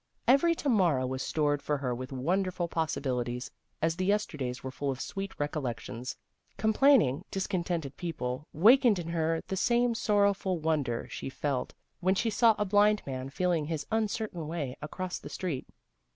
Every to morrow was stored for her with wonderful possibilities, as the yesterdays were full of sweet recollec tions. Complaining, discontented people wa kened in her the same sorrowful wonder she felt when she saw a blind man feeling his un certain way along the street.